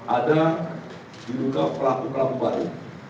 ada diduga pelaku pelaku baru